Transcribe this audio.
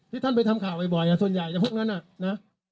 ท่านไปทำข่าวบ่อยส่วนใหญ่พวกนั้นน่ะนะ